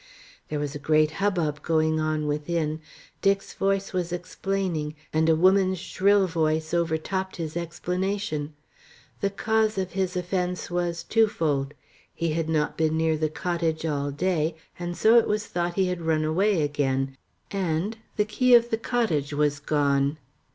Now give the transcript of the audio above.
There was a great hubbub going on within; Dick's voice was explaining, and a woman's shrill voice overtopped his explanation. The cause of his offence was twofold. He had not been near the cottage all day, so that it was thought he had run away again, and the key of the cottage was gone.